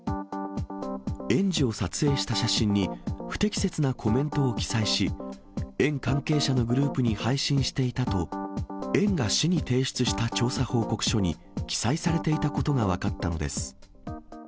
園児を撮影した写真に、不適切なコメントを記載し、園関係者のグループに配信していたと、園が市に提出した調査報告書に記載されていたことが分かったのです。